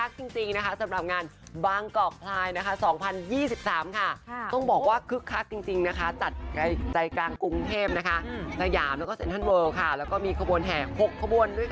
ตึงตะตึงตะตึงตะตึง